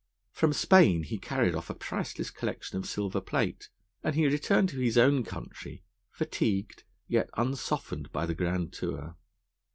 From Spain he carried off a priceless collection of silver plate; and he returned to his own country, fatigued, yet unsoftened, by the grand tour.